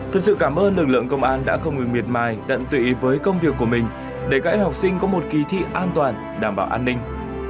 thật sự cảm ơn lực lượng công an đã không ngừng miệt mài tận tụy với công việc của mình để các em học sinh có một kỳ thị an toàn đảm bảo an ninh